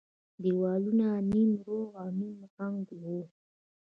دېوالونه يې نيم روغ او نيم ړنگ وو.